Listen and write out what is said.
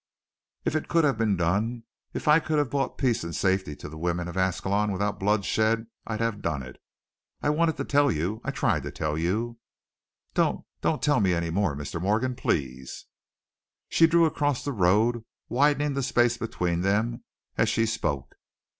"If it could have been done, if I could have brought peace and safety to the women of Ascalon without bloodshed, I'd have done it. I wanted to tell you, I tried to tell you " "Don't don't tell me any more, Mr. Morgan please!" She drew across the road, widening the space between them as she spoke.